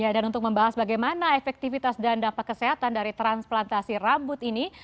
dan untuk membahas bagaimana efektivitas dan dampak kesehatan dari transplantasi rambut ini